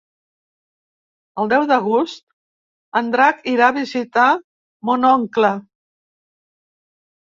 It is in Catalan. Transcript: El deu d'agost en Drac irà a visitar mon oncle.